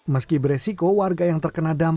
meski beresiko warga yang terlalu banyak dirobohkan